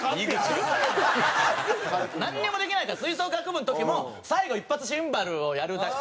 なんにもできないから吹奏楽部の時も最後一発シンバルをやるだけ。